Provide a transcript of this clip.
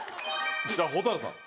じゃあ蛍原さん。